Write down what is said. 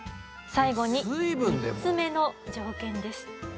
最後に３つ目の条件です。